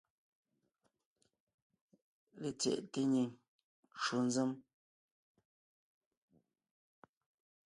LetsyɛꞋte nyìŋ ncwò nzěm.